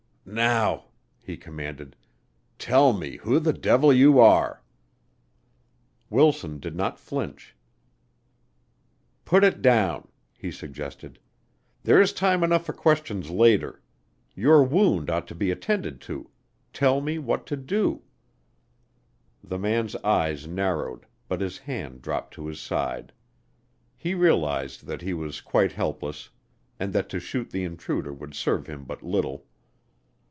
"Now," he commanded, "tell me who the Devil you are." Wilson did not flinch. "Put it down," he suggested. "There is time enough for questions later. Your wound ought to be attended to. Tell me what to do." The man's eyes narrowed, but his hand dropped to his side. He realized that he was quite helpless and that to shoot the intruder would serve him but little.